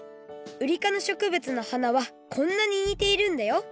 ウリかのしょくぶつの花はこんなににているんだよ